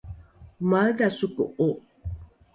omaedha soko’o?